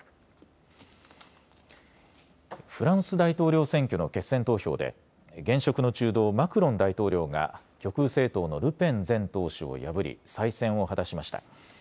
フランス大統領選挙の決選投票で現職の中道、マクロン大統領が極右政党のルペン前党首を破り再選を果たしました。